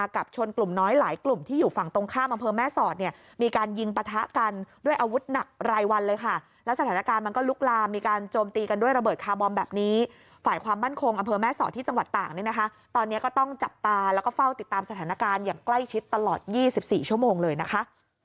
ระเบิดคาร์บอมแบบนี้ฝ่ายความมั่นคงอำเภอแม่ศรที่จังหวัดต่างนี้นะคะตอนนี้ก็ต้องจับตาแล้วก็เฝ้าติดตามสถานการณ์อย่างใกล้ชิดตลอด๒๔ชั่วโมงเลยนะคะ